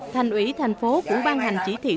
thành ủy thành phố của ban hành chỉ thiện